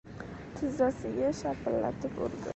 Tizzasiga shapillatib urdi.